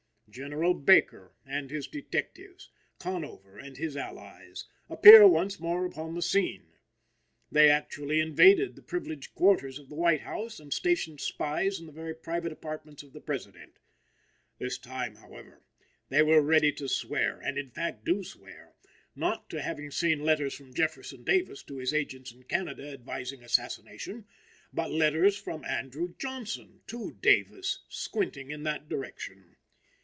General Baker and his detectives, Conover and his allies, appear once more upon the scene. They actually invaded the privileged quarters of the White House and stationed spies in the very private apartments of the President. This time, however, they are ready to swear, and in fact do swear, not to having seen letters from Jefferson Davis to his agents in Canada advising assassination, but letters from Andrew Johnson to Davis squinting in that direction.